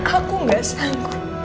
aku gak sanggup